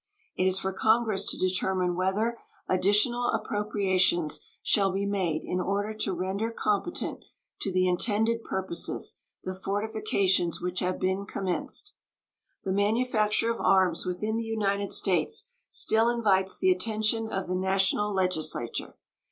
It is for Congress to determine whether additional appropriations shall be made in order to render competent to the intended purposes the fortifications which have been commenced. The manufacture of arms within the United States still invites the attention of the National Legislature.